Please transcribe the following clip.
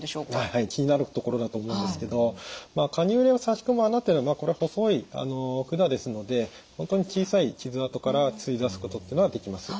はい気になるところだと思うんですけどカニューレをさし込む孔というのはこれ細い管ですので本当に小さい傷あとから吸い出すことっていうのができます。